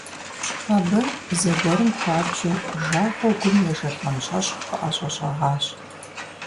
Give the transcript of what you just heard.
Абы зэгуэрым хуабжьу жагъуэу гум ежэлӀэн щӀэщӀхъу къыӀэщӀэщӀэгъащ.